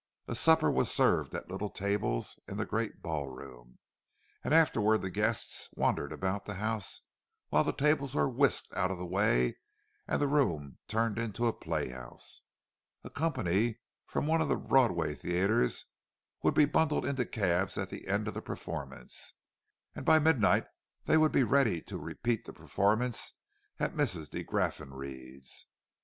A supper was served at little tables in the great ball room, and afterward the guests wandered about the house while the tables were whisked out of the way and the room turned into a play house. A company from one of the Broadway theatres would be bundled into cabs at the end of the performance, and by midnight they would be ready to repeat the performance at Mrs. de Graffenried's.